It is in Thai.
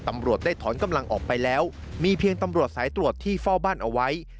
มีเพียงตำรวจสายตรวจที่เฝ้าบ้านเอาไว้